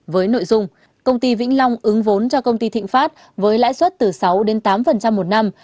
với nội dung công ty vĩnh long ứng vốn cho công ty thịnh pháp với lãi suất từ sáu đến tám một năm